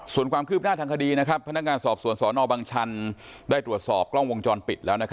ส่วนความคืบหน้าทางคดีพนักงานสอบสวนสนบังชันได้ตรวจสอบกล้องวงจรปิดแล้ว